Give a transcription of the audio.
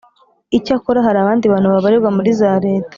Icyakora hari abandi bantu babarirwa muri za leta